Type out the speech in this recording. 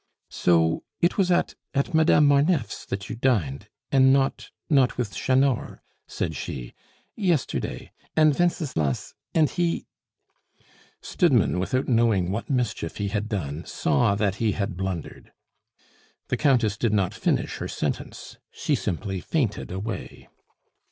"So it was at at Madame Marneffe's that you dined and not not with Chanor?" said she, "yesterday and Wenceslas and he " Stidmann, without knowing what mischief he had done, saw that he had blundered. The Countess did not finish her sentence; she simply fainted away.